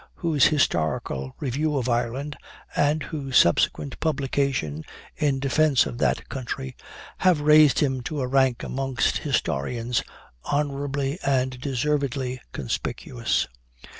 whose historical review of Ireland, and whose subsequent publication in defence of that country, have raised him to a rank amongst historians, honorably and deservedly conspicuous.